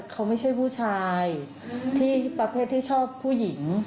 เขาไม่ใช่ผู้ชายที่ประเภทที่ชอบผู้หญิง